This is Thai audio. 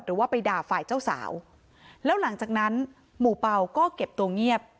หรือว่าไปด่าฝ่ายเจ้าสาวแล้วหลังจากนั้นหมู่เป่าก็เก็บตัวเงียบ